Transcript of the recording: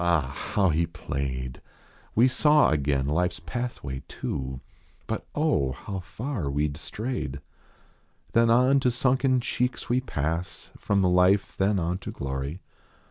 Ah ! how he played ! We saw again life s pathway, too ; But oh ! how far we d strayed. Then on to sunken cheeks we pass. From life then on to glory.